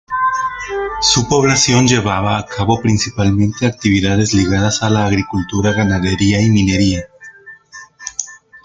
Su población llevaba a cabo principalmente actividades ligadas a la agricultura, ganadería y minería.